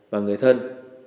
và người thân